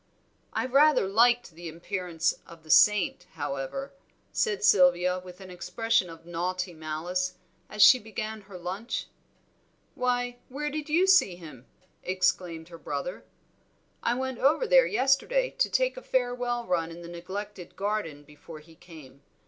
"I rather liked the appearance of the saint, however," said Sylvia, with an expression of naughty malice, as she began her lunch. "Why, where did you see him!" exclaimed her brother. "I went over there yesterday to take a farewell run in the neglected garden before he came.